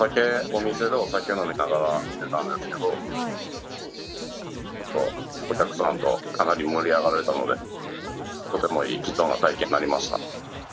お店でお酒を飲みながら見てたんですけど、お客さんとかなり盛り上がれたのでとてもいい貴重な経験になりました。